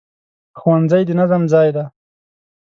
ښوونځی د نظم ځای دی